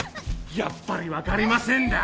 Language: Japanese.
やっぱり分かりませんだ？